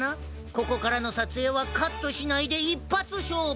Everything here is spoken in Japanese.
ここからのさつえいはカットしないでいっぱつしょうぶ！